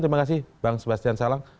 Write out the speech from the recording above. terima kasih bang sebastian salang